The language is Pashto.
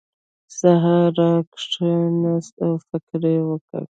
سهار راکېناست او فکر یې وکړ.